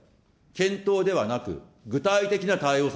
検討ではなく、具体的な対応策